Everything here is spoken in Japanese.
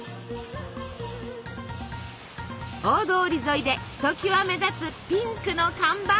大通り沿いでひときわ目立つピンクの看板。